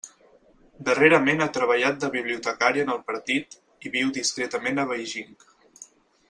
Darrerament ha treballat de bibliotecària en el partit i viu discretament a Beijing.